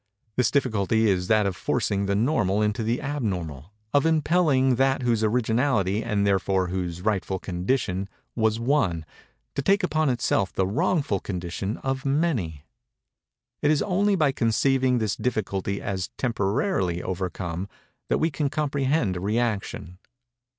This difficulty is that of forcing the normal into the abnormal—of impelling that whose originality, and therefore whose rightful condition, was One, to take upon itself the wrongful condition of Many. It is only by conceiving this difficulty as temporarily overcome, that we can comprehend a rëaction.